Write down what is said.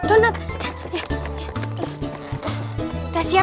udah siap semuanya